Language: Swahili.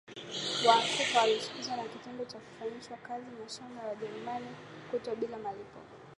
Waafrika walichukizwa na kitendo cha kufanyishwa kazi mashamba ya Wajerumani kutwa nzima bila malipo